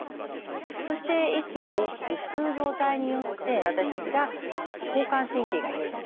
そして息を大きく吸う状態によって私たちが交感神経が優位な状態。